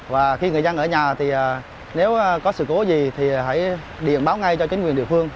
và khi người dân ở nhà thì nếu có sự cố gì thì phải điện báo ngay cho chính quyền địa phương